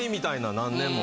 何年も。